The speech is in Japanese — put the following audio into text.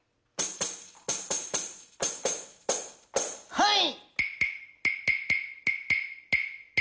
はい。